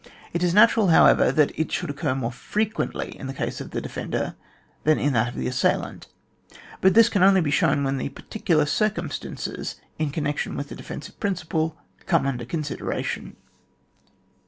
It is natural, however, that it should occur more frequently in the case of the defender than in that of the assail ant, but this can only be shown when the particular circumstances in connection with the defensive principle come under consideration.